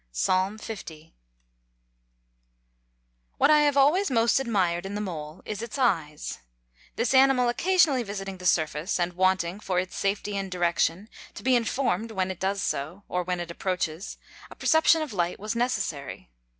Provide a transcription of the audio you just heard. PSALM L.] What I have always most admired in the mole is its eyes. This animal occasionally visiting the surface, and wanting, for its safety and direction, to be informed when it does so, or when it approaches it, a perception of light was necessary.